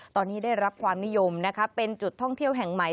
ตอนนี้ได้รับความนิยมนะคะเป็นจุดท่องเที่ยวแห่งใหม่